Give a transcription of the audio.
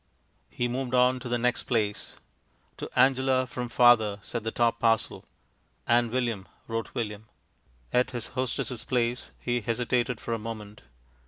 He moved on to the next place. "To Angela from Father," said the top parcel. "And William," wrote William. At his hostess' place he hesitated for a moment.